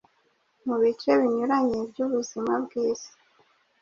Mu bice binyuranye by’ubuzima bw’isi